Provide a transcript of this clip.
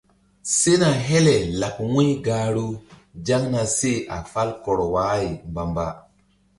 Sena hele laɓ wu̧y gahru zaŋna seh a fal kɔr wa-ay mbamba.